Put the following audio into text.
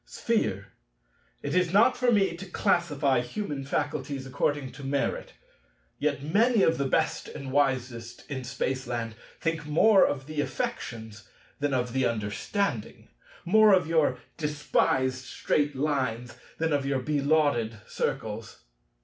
Sphere. It is not for me to classify human faculties according to merit. Yet many of the best and wisest in Spaceland think more of the affections than of the understanding, more of your despised Straight Lines than of your belauded Circles.